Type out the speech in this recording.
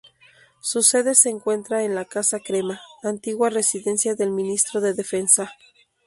Su sede se encuentra en la Casa Crema, antigua residencia del ministro de Defensa.